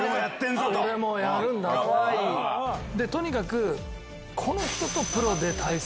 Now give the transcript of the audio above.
とにかく。